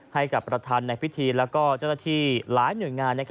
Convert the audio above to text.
ให้กับประธานในพิธีและเจ้าหน้าที่หลายหน่วยงาน